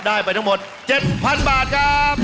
ได้ไปทั้งหมด๗๐๐บาทครับ